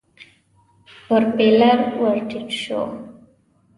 پر بېلر ور ټيټ شو.